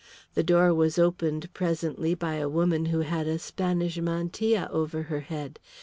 The door was opened presently by a woman who had a Spanish mantilla over her head.